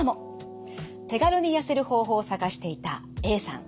手軽に痩せる方法を探していたＡさん。